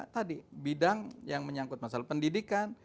tadi bidang yang menyangkut masalah pendidikan